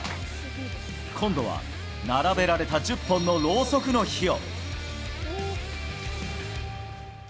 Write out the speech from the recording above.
今度は並べられた１０本のろうそくの火を。